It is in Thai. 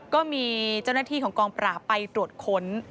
ก็มีเจ้าหน้าที่ของกองปราบไปตรวจค้น